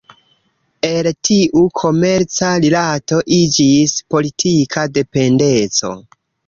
El tiu komerca rilato iĝis politika dependeco.